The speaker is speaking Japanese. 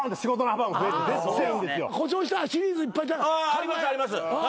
ありますあります。